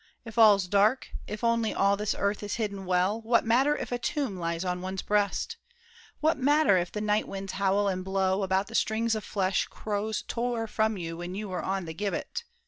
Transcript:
If all's dark, If only all this earth is hidden well, What matter if a tomb lies on one's breast? What matter if the night winds howl and blow About the strings of flesh crows tore from you When you were on the gibbet?